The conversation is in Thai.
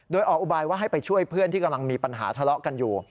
โดยออกอุบายว่าให้ไปช่วยเพื่อนที่กำลังมีปัญหาทะเลาะกันอยู่